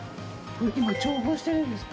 今調合してるんですか？